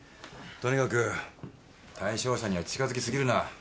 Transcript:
とにかく対象者には近づき過ぎるな。